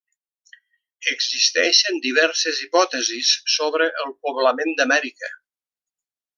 Existeixen diverses hipòtesis sobre el poblament d'Amèrica.